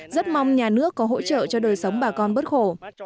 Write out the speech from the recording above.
rất mong nhà nước có hỗ trợ cho đời sống bà con bớt khổ